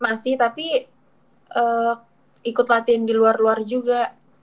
masih tapi ikut latihan di luar luar juga